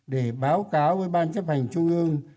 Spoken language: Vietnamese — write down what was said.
để báo cáo với ban chấp hành trung ương